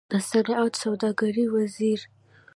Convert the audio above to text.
د صنعت او سوداګرۍ وزير